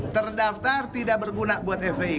terdaftar tidak berguna buat fpi